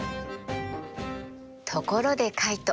ところでカイト。